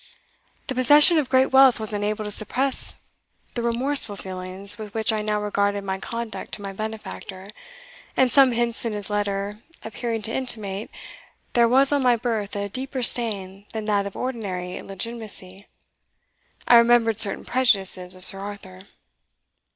The possession of great wealth was unable to suppress the remorseful feelings with which I now regarded my conduct to my benefactor, and some hints in his letter appearing to intimate there was on my birth a deeper stain than that of ordinary illegitimacy, I remembered certain prejudices of Sir Arthur."